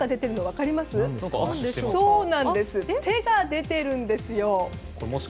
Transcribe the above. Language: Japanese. これ、手が出ているんですよ。